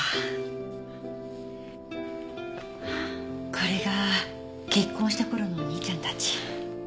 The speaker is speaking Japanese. これが結婚した頃のお兄ちゃんたち。